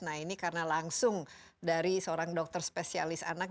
nah ini karena langsung dari seorang dokter spesialis anak